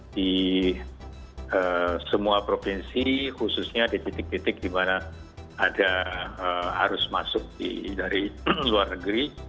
di semua provinsi khususnya di titik titik dimana ada harus masuk dari luar negeri